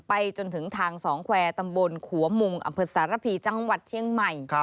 ไปจนถึงทาง๒แควร์ตำบลขวมงค์อำเภิษศาสตรภีร์จังหวัดเที่ยงใหม่